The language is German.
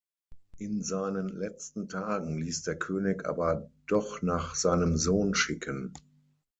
In seinen letzten Tagen ließ der König aber doch nach seinem Sohn schicken.